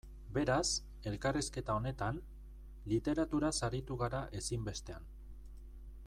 Beraz, elkarrizketa honetan, literaturaz aritu gara ezinbestean.